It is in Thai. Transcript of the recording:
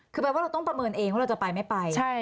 คือแปลว่าเราต้องประเมินเองว่าเราจะไปไม่ไป